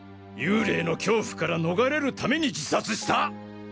幽霊の恐怖から逃れるために自殺した！？